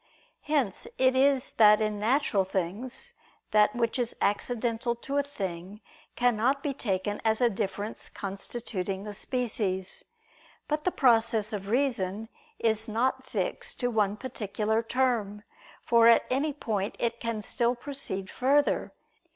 Hence it is that in natural things, that which is accidental to a thing, cannot be taken as a difference constituting the species. But the process of reason is not fixed to one particular term, for at any point it can still proceed further.